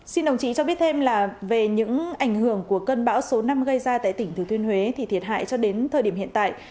xin đồng chí cho biết thêm là về những ảnh hưởng của cơn bão số năm gây ra tại tỉnh thừa thuyên huế thì thiệt hại cho đến thời điểm hiện tại